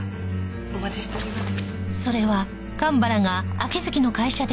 お待ちしております。